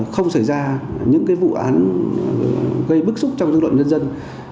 không xảy ra những vụ án gây bức xúc trong dân lộn nhân dân